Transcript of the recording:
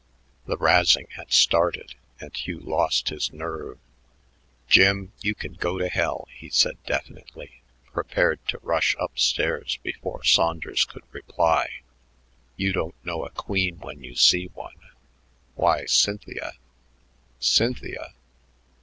The "razzing" had started, and Hugh lost his nerve. "Jim, you can go to hell," he said definitely, prepared to rush up stairs before Saunders could reply. "You don't know a queen when you see one. Why, Cynthia " "Cynthia!"